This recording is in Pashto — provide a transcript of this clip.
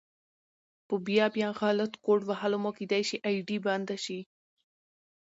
په بيا بيا غلط کوډ وهلو مو کيدی شي آئيډي بنده شي